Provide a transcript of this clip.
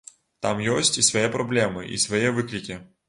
Там ёсць і свае праблемы, і свае выклікі.